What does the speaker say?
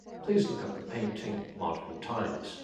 Please look up the painting, Modern times.